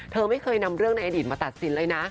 เธอไม่เคยนำเรื่องในอดีตมาตัดสินเลยนะ